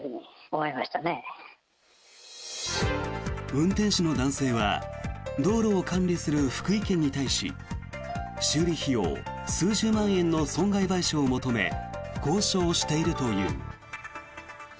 運転手の男性は道路を管理する福井県に対し修理費用数十万円の損害賠償を求め交渉しているという。